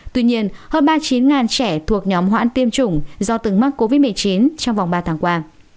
tuy nhiên hơn ba mươi chín trẻ thuộc nhóm hoãn tiêm chủng do từng mắc covid một mươi chín trong vòng ba tháng qua